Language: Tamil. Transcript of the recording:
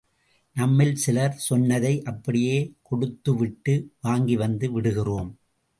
நம்மில் சிலர் சொன்னதை அப்படியே கொடுத்துவிட்டு வாங்கி வந்து விடுகிறோம்.